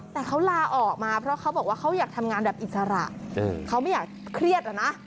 แต่เขาลาออกมาเพราะเขาบอกว่าเขาอยากทำงานแบบอิสระเขาไม่อยากเครียดแล้วนะ